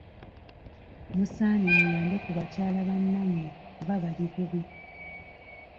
Musaanye muyambe ku bakyala bannamwe kuba bali bubi